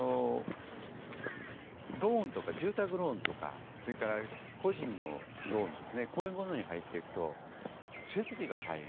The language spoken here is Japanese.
ローンとか住宅ローンとかそれから個人のローンですねこういうものに入っていくと設備が大変。